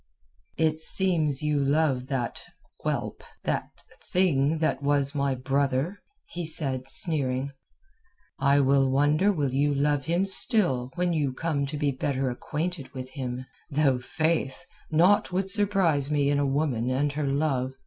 "It seems you love that—whelp, that thing that was my brother," he said, sneering. "I wonder will you love him still when you come to be better acquainted with him? Though, faith, naught would surprise me in a woman and her love.